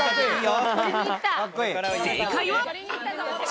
正解は。